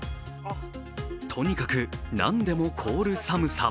とにかく何でも凍る寒さ。